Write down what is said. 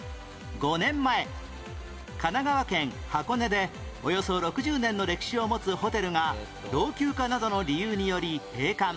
５年前神奈川県箱根でおよそ６０年の歴史を持つホテルが老朽化などの理由により閉館